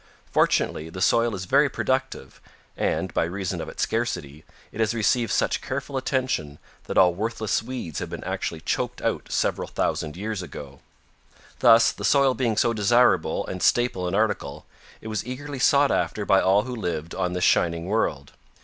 Fortunately, the soil is very productive and, by reason of its scarcity, it has received such careful attention that all worthless weeds have been actually choked out several thousand years ago. Thus, the soil being so desirable and staple an article, it was eagerly sought after by all who lived on this shining world.